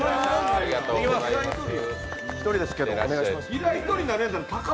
１人ですけど、お願いします。